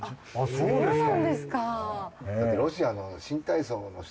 そうなんですか。